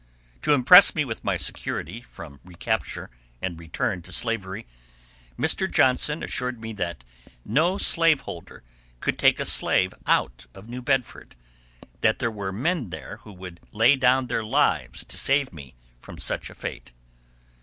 To impress me with my security from recapture and return to slavery, Mr. Johnson assured me that no slave holder could take a slave out of New Bedford; that there were men there who would lay down their lives to save me from such a fate.